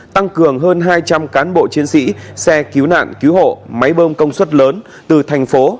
tăng cường hơn hai trăm linh cán bộ chiến sĩ xe cứu nạn cứu hộ máy bơm công suất lớn từ thành phố